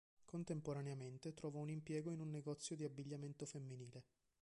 Contemporaneamente trovò un impiego in un negozio di abbigliamento femminile.